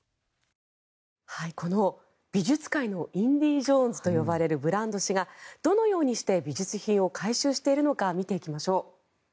この美術界のインディ・ジョーンズと呼ばれるブランド氏が、どのようにして美術品を回収しているのか見ていきましょう。